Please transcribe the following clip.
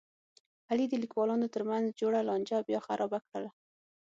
علي د کلیوالو ترمنځ جوړه لانجه بیا خرابه کړله.